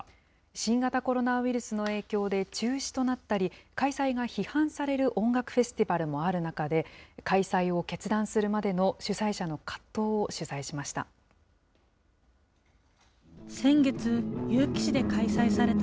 新型コロナウイルスの影響で中止となったり、開催が批判される音楽フェスティバルもある中で、開催を決断するまでの主催者の葛藤を取材しました。